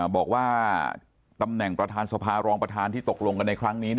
บอกว่าตำแหน่งประธานสภารองประธานที่ตกลงกันในครั้งนี้